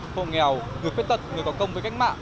hộ nghèo người khuyết tật người có công với cách mạng